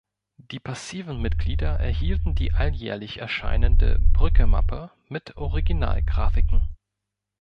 Die Passiven Mitglieder erhielten die alljährlich erscheinende "Brücke-Mappe" mit Originalgrafiken.